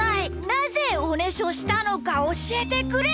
なぜおねしょしたのかおしえてくれ！